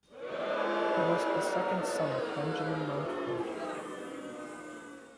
He was the second son of Benjamin Mountfort.